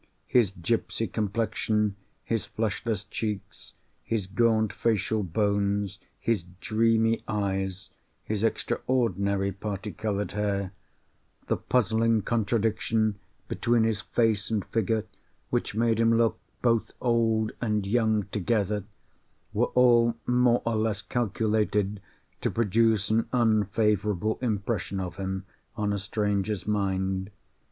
His gipsy complexion, his fleshless cheeks, his gaunt facial bones, his dreamy eyes, his extraordinary parti coloured hair, the puzzling contradiction between his face and figure which made him look old and young both together—were all more or less calculated to produce an unfavourable impression of him on a stranger's mind.